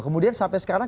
kemudian sampai sekarang